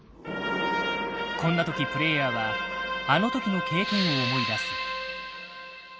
こんな時プレイヤーはあの時の経験を思い出す。